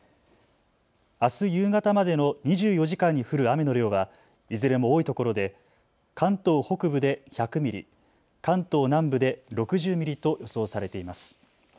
あす夕方までの２４時間に降る雨の量はいずれも多いところで関東北部で１００ミリ、関東南部で６０ミリと予想されています。